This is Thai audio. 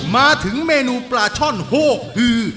มาถึงเมนูปลาช่อนโฮกฮือ